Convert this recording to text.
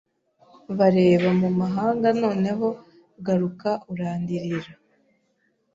bareba mu mahanga Noneho garuka urandirira